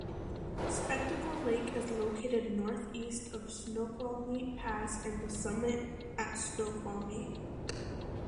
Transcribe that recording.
Spectacle Lake is located northeast of Snoqualmie Pass and The Summit at Snoqualmie.